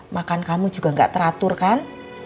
makan kamu juga gak teratur kan